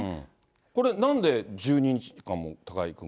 これ、なんで１２日間も高井君、かかった？